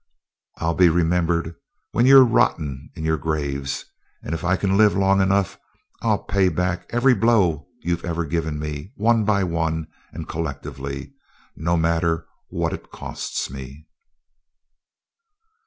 I'll be remembered when you're rotten in your graves, and if I can live long enough I'll pay back every blow you've ever given me, one by one, and collectively no matter what it costs me!"